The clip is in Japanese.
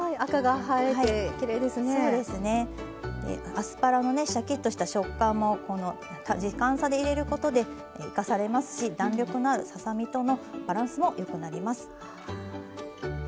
アスパラのねシャキッとした食感も時間差で入れることで生かされますし弾力のあるささ身とのバランスもよくなります。